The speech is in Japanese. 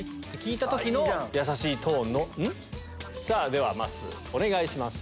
ではまっすーお願いします。